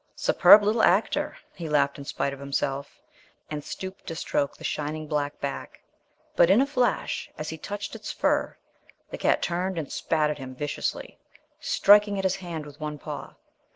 "Superb little actor!" he laughed in spite of himself, and stooped to stroke the shining black back. But, in a flash, as he touched its fur, the cat turned and spat at him viciously, striking at his hand with one paw.